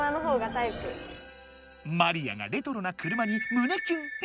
マリアがレトロな車に胸キュン！